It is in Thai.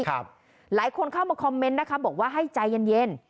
หลายคนเข้ามาคอมเมนต์นะคะบอกว่าให้ใจเย็น